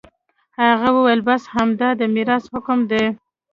هغه وويل بس همدا د ميراث حکم دى.